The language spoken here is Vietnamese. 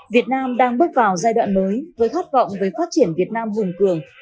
việt nam đang bước vào giai đoạn mới với khát vọng với phát triển việt nam vùng cường